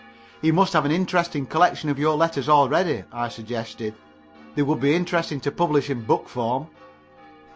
"He must have an interesting collection of your letters already," I suggested. "They would be interesting to publish in book form."